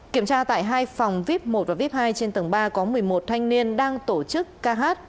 kiểm tra tại hai phòng vip một và vip hai trên tầng ba có một mươi một thanh niên đang tổ chức ca hát